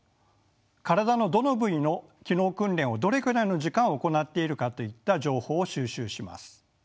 体のどの部位の機能訓練をどれくらいの時間行っているかといった情報を収集します。